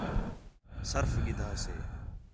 سرف گِدھا سے